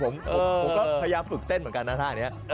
ผมก็พยายามฝึกเต้นเหมือนกันนะท่านี้